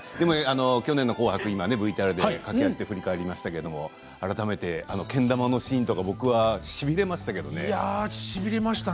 去年の「紅白」今ＶＴＲで駆け足で振り返りましたけれども改めてけん玉のシーンとか僕はしびれましたけれどもね。